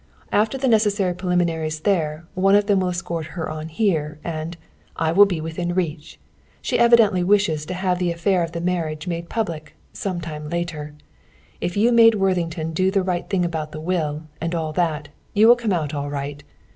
"After the necessary preliminaries there, one of them will escort her on here and I will be within reach. She evidently wishes to have the affair of the marriage made public, some time later. If you made Worthington do the right thing about the will, and all that, you will come out all right.